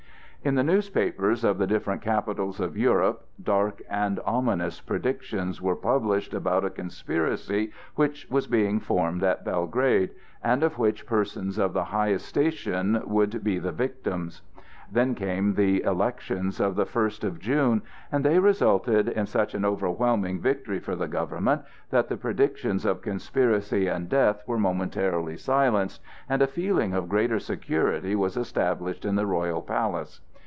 In the newspapers of the different capitals of Europe dark and ominous predictions were published about a conspiracy which was being formed at Belgrade, and of which persons of the highest station would be the victims. Then came the elections of the first of June, and they resulted in such an overwhelming victory for the government that the predictions of conspiracy and death were momentarily silenced and a feeling of greater security was established in the royal palace.